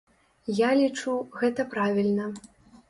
Я лічу, гэта правільна.